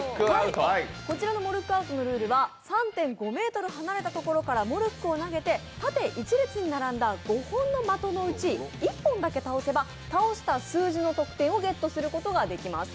こちらのモルックアウトのルールは、３．５ｍ離れたところからモルックを投げて、縦１列に並んだ５本の的のうち１本だけ倒せば倒した数字の得点をゲットすることができます。